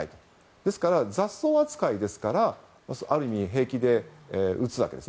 ですから、雑草扱いですからある意味、平気で撃つわけです。